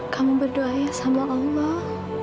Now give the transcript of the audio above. kamu berdoa ya sama allah